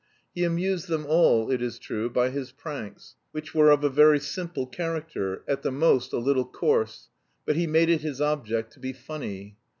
He amused them all, it is true, by his pranks, which were of a very simple character, at the most a little coarse, but he made it his object to be funny.